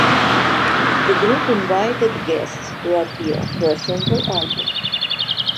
The group invited guests to appear for a single album.